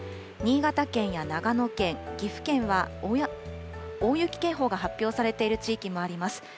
新潟県や長野県、岐阜県は、大雪警報が発表されている地域もあります。